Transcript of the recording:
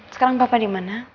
sekarang papa dimana